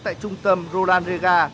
tại trung tâm roland rega